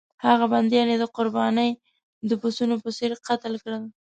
هغه بندیان یې د قربانۍ د پسونو په څېر قتل کړل.